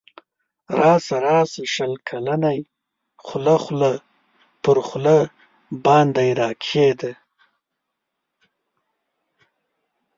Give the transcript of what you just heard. راسه راسه شل کلنی خوله خوله پر خوله باندی راکښېږده